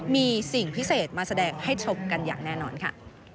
มีสิ่งพิเศษมาแสดงให้ชมกันอย่างแน่นอนค่ะ